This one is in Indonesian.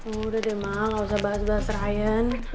udah deh mahal gak usah bahas bahas ryan